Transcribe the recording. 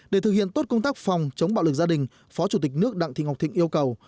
để thực hiện tốt công tác phòng chống bạo lực gia đình phó chủ tịch nước đặng thị ngọc thịnh yêu cầu